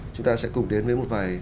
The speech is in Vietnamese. chúng ta sẽ cùng đến với một vài